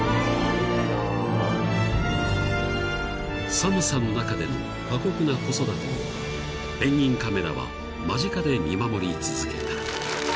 ［寒さの中での過酷な子育てをペンギンカメラは間近で見守り続けた］